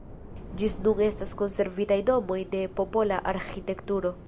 Ĝis nun estas konservitaj domoj de popola arĥitekturo.